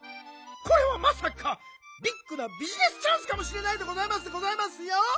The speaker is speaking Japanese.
これはまさかビックなビジネスチャンスかもしれないでございますでございますよ！